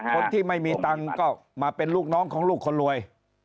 คนที่ไม่มีตังค์ก็มาเป็นลูกน้องของลูกคนรวย